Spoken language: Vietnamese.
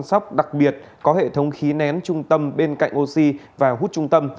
sóc đặc biệt có hệ thống khí nén trung tâm bên cạnh oxy và hút trung tâm